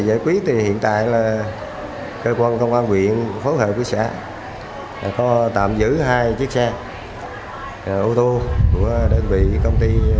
giải quyết thì hiện tại là cơ quan công an quyện phối hợp với xã có tạm giữ hai chiếc xe ô tô của đơn vị công ty